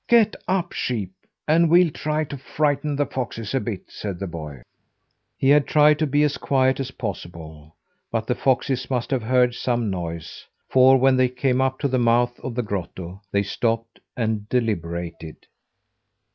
"Get up, sheep, and well try to frighten the foxes a bit!" said the boy. He had tried to be as quiet as possible, but the foxes must have heard some noise; for when they came up to the mouth of the grotto they stopped and deliberated.